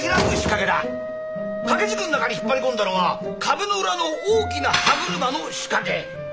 掛け軸の中に引っ張り込んだのは壁の裏の大きな歯車の仕掛け。